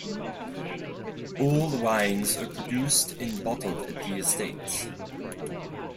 All wines are produced and bottled at the estate.